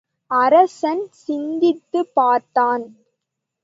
அரசன் சிந்தித்துப் பார்த்தான்.